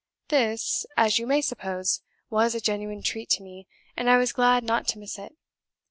This, as you may suppose, was a genuine treat to me, and I was glad not to miss it.